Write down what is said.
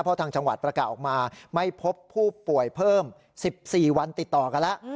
เพราะทางจังหวัดประกาศออกมาไม่พบผู้ป่วยเพิ่ม๑๔วันติดต่อกันแล้ว